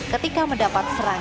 ketika mendapat serang